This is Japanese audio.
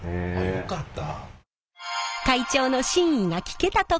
よかった